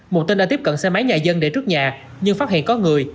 một tên đã tiếp cận xe máy nhà dân để trước nhà nhưng phát hiện có người